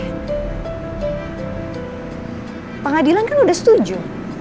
pak pengadilan kan udah setuju